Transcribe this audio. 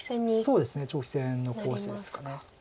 そうですね長期戦のコースですか。